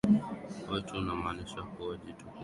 wetu unamaanisha kuwa jitu kubwa linaweza kuwa